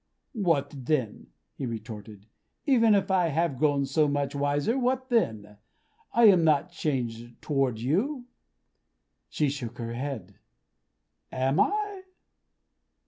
"What then?" he retorted. "Even if I have grown so much wiser, what then? I am not changed toward you." She shook her head. "Am I?"